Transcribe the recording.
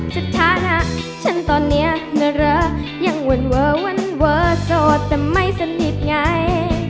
สถานะฉันตอนนี้นะรอยังเวิร์วันเวอร์โสดแต่ไม่สนิทไง